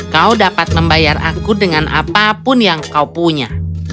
kau dapat membayar aku dengan apapun yang kau punya